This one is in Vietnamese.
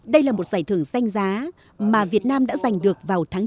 đây là một giải thưởng danh giá mà việt nam đã giành được vào tháng chín